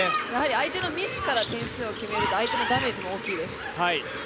相手のミスからシュートを決めると相手のダメージも大きいです。